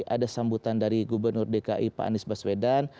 ada sambutan dari gubernur dki pak anies baswedan